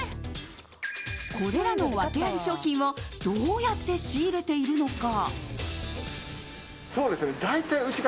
これらのワケあり商品をどうやって仕入れているのか。